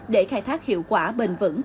để khai thác hiệu quả bền vững